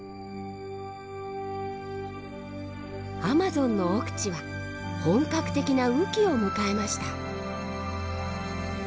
アマゾンの奥地は本格的な雨季を迎えました。